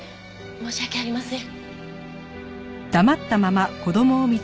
申し訳ありません。